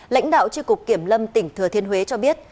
lãnh đạo tri cục kiểm lâm tỉnh thừa thiên huế cho biết